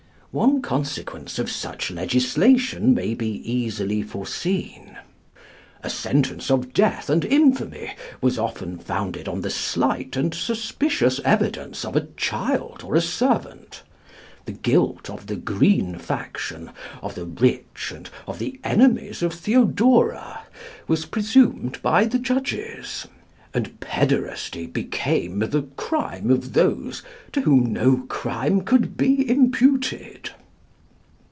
One consequence of such legislation may be easily foreseen. "A sentence of death and infamy was often founded on the slight and suspicious evidence of a child or a servant: the guilt of the green faction, of the rich, and of the enemies of Theodora, was presumed by the judges, and pæderasty became the crime of those to whom no crime could be imputed."